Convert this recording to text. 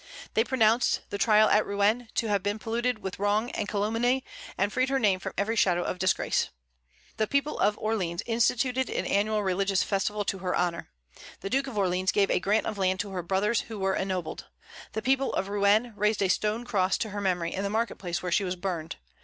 They pronounced the trial at Rouen to have been polluted with wrong and calumny, and freed her name from every shadow of disgrace. The people of Orleans instituted an annual religious festival to her honor. The Duke of Orleans gave a grant of land to her brothers, who were ennobled. The people of Rouen raised a stone cross to her memory in the market place where she was burned.